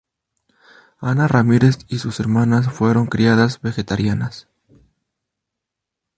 Anna Ramírez y sus hermanas fueron criadas vegetarianas.